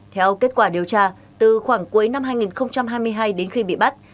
theo kết quả điều tra từ khoảng cuối năm hai nghìn hai mươi hai đến khi bị bắt